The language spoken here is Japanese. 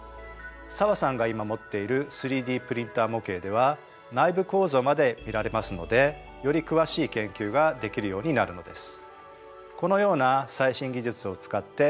紗和さんが今持っている３Ｄプリンター模型では内部構造まで見られますのでより詳しい研究ができるようになるのです。